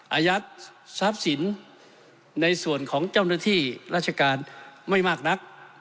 อายัดทรัพย์สินในส่วนของเจ้าหน้าที่ราชการไม่มากนัก